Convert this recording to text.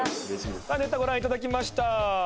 ネタご覧いただきました。